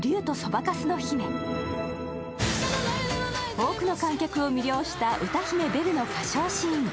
多くの観客を魅了した歌姫・ベルの歌唱シーン。